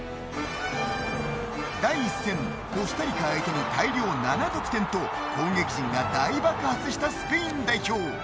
第１戦コスタリカ相手に大量７得点と攻撃陣が大爆発したスペイン代表。